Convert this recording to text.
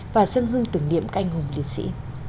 và dân hương tưởng niệm các anh hùng liệt sĩ